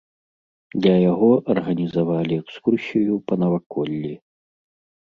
Для яго арганізавалі экскурсію па наваколлі.